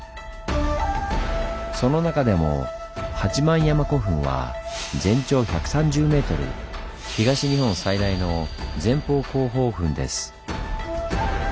その中でも八幡山古墳は全長１３０ｍ東日本最大の前方後方墳です。